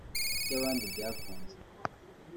kuki abandi byakunze